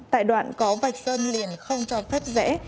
tại đoạn có vạch sơn liền không cho thất rẽ